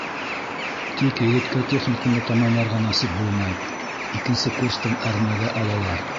Тик егеткә техникумды тамамларға насип булмай — икенсе курстан әрмегә алалар.